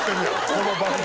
この番組。